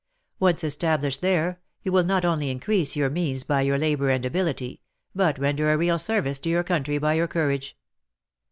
Once established there, you will not only increase your means by your labour and ability, but render a real service to your country by your courage.